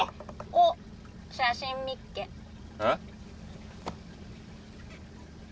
おっ写真見っけえっ？